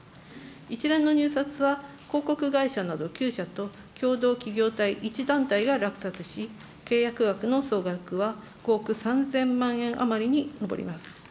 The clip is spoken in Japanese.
一連の入札は、広告会社など９社と、きょうどう企業体１団体が落札し、契約額の総額は５億３０００万円余りに上ります。